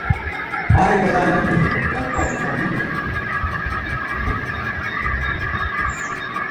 پائے گدا لنگ نہ تھِبہ ، واڈکا پِݪا ننگ نہ تھنی